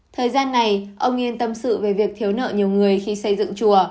thời gian này ông yên tâm sự về việc thiếu nợ nhiều người khi xây dựng chùa